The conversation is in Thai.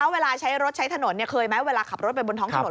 เวลาใช้รถใช้ถนนเคยไหมเวลาขับรถไปบนท้องถนน